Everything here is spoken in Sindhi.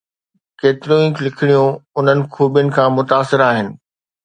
ڪيتريون ئي لکڻيون انهن خوبين کان متاثر آهن.